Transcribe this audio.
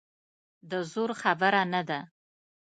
د زور خبره نه ده.